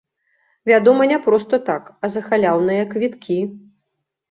Вядома, не проста так, а за халяўныя квіткі.